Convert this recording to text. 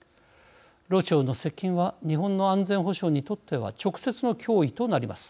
ロ朝の接近は日本の安全保障にとっては直接の脅威となります。